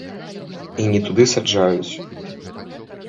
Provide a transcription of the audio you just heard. І не туды саджаюць.